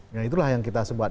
nah itulah yang kita sebut